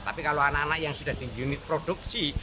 tapi kalau anak anak yang sudah di unit produksi